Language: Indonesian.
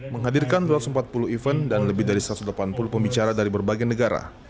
menghadirkan dua ratus empat puluh event dan lebih dari satu ratus delapan puluh pembicara dari berbagai negara